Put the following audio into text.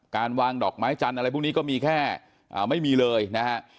การวางดอกไม้จันทร์อะไรพวกนี้ก็มีแค่ไม่มีเลยนะฮะ